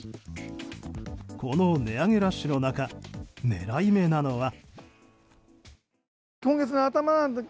この値上げラッシュの中狙い目なのは。